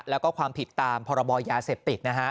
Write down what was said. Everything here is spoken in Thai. แล้วก็ความผิดตามพยเศษตริกนะฮะ